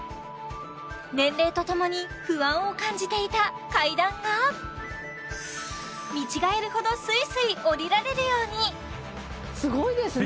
年齢とともに不安を感じていた階段が見違えるほどスイスイ下りられるようにすごいですね